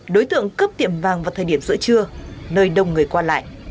đối tượng cướp tiệm vàng vào thời điểm giữa trưa nơi đông người qua lại